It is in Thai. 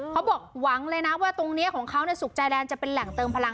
เขาบอกหวังเลยนะว่าตรงนี้ของเขาสุขใจแดนจะเป็นแหล่งเติมพลัง